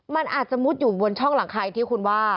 มันอาจจะมุดอยู่บนช่องหลังคายที่คุณว่า